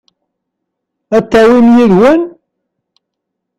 Ad t-tawim yid-wen?